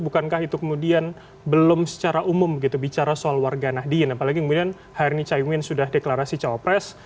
bukankah itu kemudian belum secara umum gitu bicara soal warga nahdien apalagi kemudian hari ini caimin sudah deklarasi cawapres